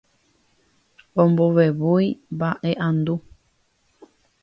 Ombovevúi mba'e'andu.